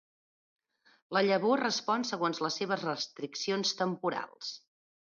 La llavor respon segons les seves restriccions temporals.